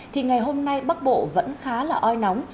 thì ngày hôm nay bắc bộ vẫn khá là oi nóng